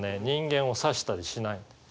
人間を刺したりしない。